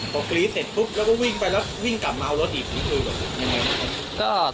พอกรี๊ดเสร็จปุ๊บแล้วก็วิ่งไปแล้ววิ่งกลับมาเอารถอีกนี่คือแบบยังไงนะครับ